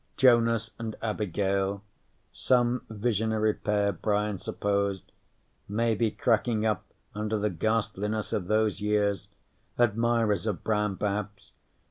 _ Jonas and Abigail some visionary pair, Brian supposed, maybe cracking up under the ghastliness of those years. Admirers of Brown, perhaps.